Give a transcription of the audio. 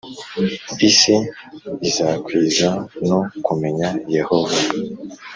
Isi izakizwa no kumenya Yehova.